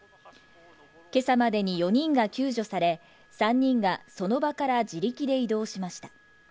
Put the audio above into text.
今朝までに４人が救助され、３人がその場から自力で移動しました。